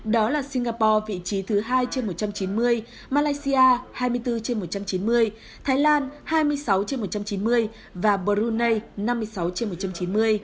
đó là singapore vị trí thứ hai trên một trăm chín mươi malaysia hai mươi bốn trên một trăm chín mươi thái lan hai mươi sáu trên một trăm chín mươi và brunei năm mươi sáu trên một trăm chín mươi